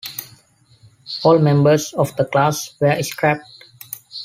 All members of the class were scrapped.